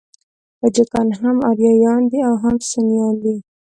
تاجکان هم آریایان دي او هم سنيان دي.